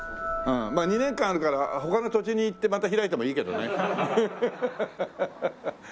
２年間あるから他の土地に行ってまた開いてもいいけどね。